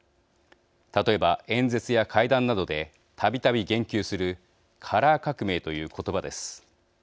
例えば演説や会談などでたびたび言及する「カラー革命」という言葉です。